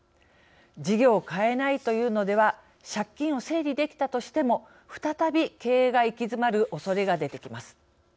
事業を変えないというのでは借金を整理できたとしても再び経営が行き詰まるおそれが出てきます。